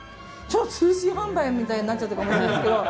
通信販売みたいになっちゃってごめんなさいですけど。